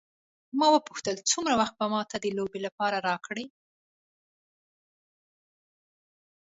ما وپوښتل څومره وخت به ما ته د لوبې لپاره راکړې.